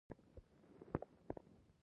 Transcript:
پامیر د افغانستان د موسم د بدلون سبب کېږي.